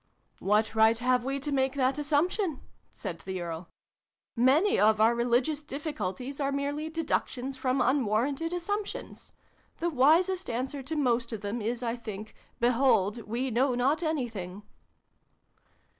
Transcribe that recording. " What right have we to make that assump tion ?" said the Earl. " Many of our religious difficulties are merely deductions from unwar ranted assumptions. The wisest answer to most of them, is, I think, ' behold, we know not anything?